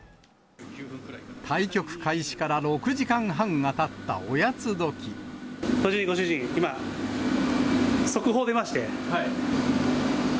対局開始から６時間半がたっご主人、今、速報出まして。